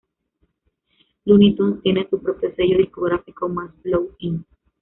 Luny Tunes tienen su propio sello discográfico: Mas Flow Inc.